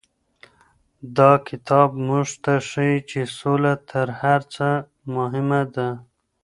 دا کتاب موږ ته ښيي چې سوله تر هر څه مهمه ده.